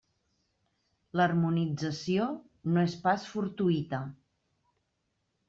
L'harmonització no és pas fortuïta.